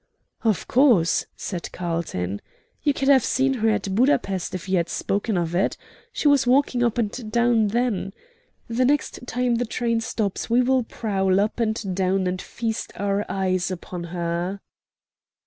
"Of course," said Carlton. "You could have seen her at Buda Pesth if you had spoken of it. She was walking up and down then. The next time the train stops we will prowl up and down and feast our eyes upon her."